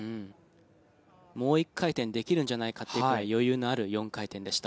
もう１回転できるんじゃないかというくらい余裕のある４回転でした。